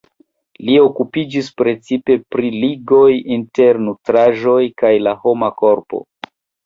Li okupiĝis precipe pri ligoj inter nutraĵoj kaj la homa korpo.